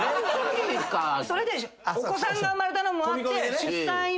それでお子さんが生まれたのもあって。